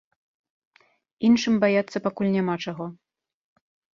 Іншым баяцца пакуль няма чаго.